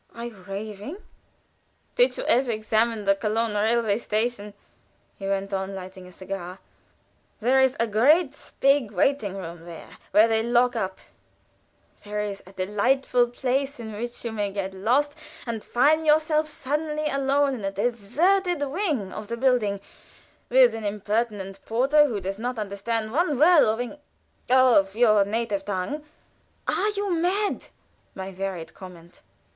"Are you raving?" "Did you ever examine the Cologne railway station?" he went on, lighting a cigar. "There is a great big waiting room, which they lock up; there is a delightful place in which you may get lost, and find yourself suddenly alone in a deserted wing of the building, with an impertinent porter, who doesn't understand one word of Eng of your native tongue " "Are you mad?" was my varied comment.